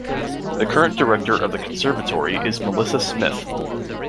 The current director of the conservatory is Melissa Smith.